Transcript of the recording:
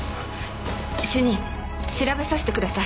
主任調べさせてください。